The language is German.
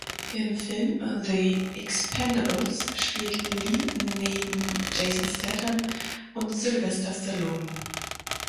Im Film "The Expendables" spielt Li neben Jason Statham und Sylvester Stallone.